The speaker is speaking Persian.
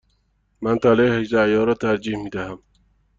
من طلای هجده عیار را ترجیح می دهم.